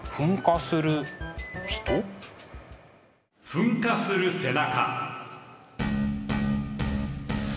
「噴火する背中」。